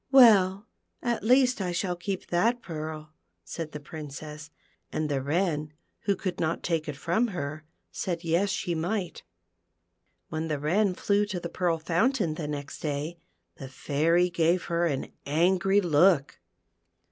"Well, at least I shall keep that pearl," said the Princess, and the Wren, who could not take it from her, said, yes, she might. When the Wren flew to the Pearl Fountain the next day, the Fairy gave her an angry look.